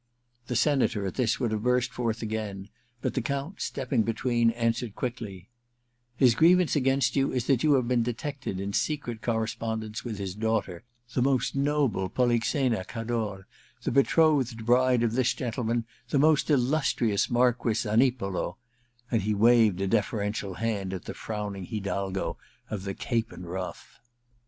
The Senator, at this, would have burst forth again ; but the Count, stepping between, answered quickly :* His grievance against you is that you have been detected in secret corre spondence with his daughter, the most noble Polixena Cador, the betrothed bride of this gentleman, the most illustrious Marquess Zani polo ' and he waved a deferential hand at the frowning hidalgo of the cape and ruff.